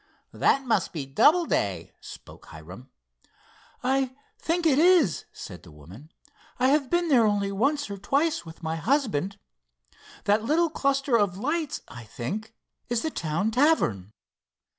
"That must be Doubleday," spoke Hiram. "I think it is," said the woman. "I have been there only once or twice with my husband. That little cluster of lights, I think, is the town tavern."